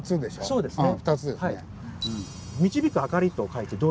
そうですね。